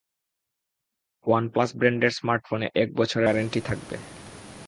OnePlus ব্র্যান্ডের স্মার্টফোনে এক বছরের ওয়ারেন্টি থাকবে।